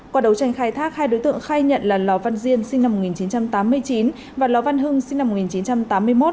qua đấu tranh khai thác hai đối tượng khai nhận là lò văn diên sinh năm một nghìn chín trăm tám mươi chín và lò văn hưng sinh năm một nghìn chín trăm tám mươi một